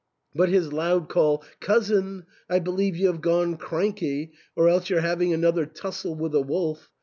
But his loud call, " Cousin, I believe you have gone cranky, or else you're having another tussle with a wolf.